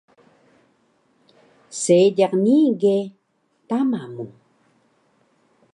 Seediq nii ge tama mu